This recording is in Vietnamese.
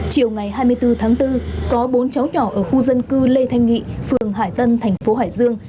chiều ngày hai mươi bốn tháng bốn có bốn cháu nhỏ ở khu dân cư lê thanh nghị phường hải tân thành phố hải dương